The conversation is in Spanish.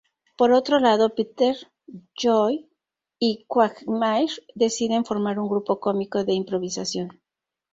Por otro lado, Peter, Joe y Quagmire deciden formar un grupo cómico de improvisación.